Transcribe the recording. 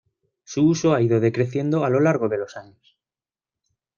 Su uso ha ido decreciendo a lo largo de los años.